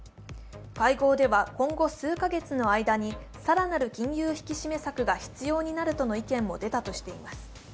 会合では今後数カ月の間に更なる金融引き締め策が必要になるとの意見も出たとしています。